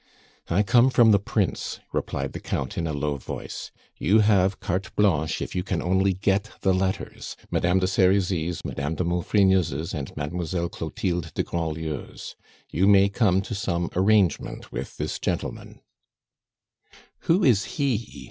"I come from the Prince," replied the Count, in a low voice. "You have carte blanche if you can only get the letters Madame de Serizy's, Madame de Maufrigneuse's and Mademoiselle Clotilde de Grandlieu's. You may come to some arrangement with this gentleman " "Who is he?"